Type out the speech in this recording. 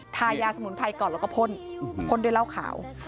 ทายาสมุนไพรก่อนแล้วก็พ่นพ่นด้วยเหล้าขาว